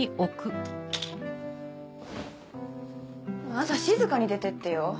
朝静かに出てってよ？